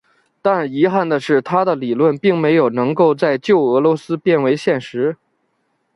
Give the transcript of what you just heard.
但遗憾的是他的理论并没有能够在旧俄罗斯变为现实。